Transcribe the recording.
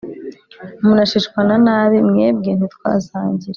Munashishwa na nabi mwebwe ntitwasangira